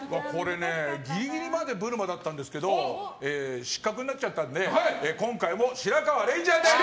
ギリギリまでぶるまだったんですけど失格になっちゃったんで今回も白河れいちゃんです。